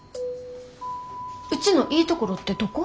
うちのいいところってどこ？